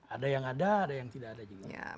ada yang ada ada yang tidak ada juga